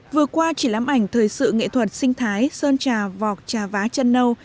vừa qua triển lãm ảnh thời sự nghệ thuật sinh thái sơn trà vọc trà vá chân nâu